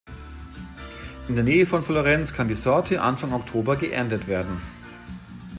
In der Nähe von Florenz kann die Sorte Anfang Oktober geerntet werden.